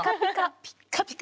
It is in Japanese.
ピカピカ。